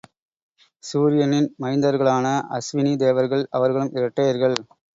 சூரியனின் மைந்தர்களான அஸ்வினி தேவர்கள் அவர்களும் இரட்டையர்கள்.